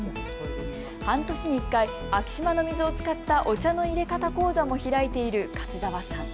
半年に１回、昭島の水を使ったお茶の入れ方講座も開いている勝澤さん。